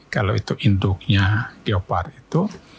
kalau itu induknya geopar itu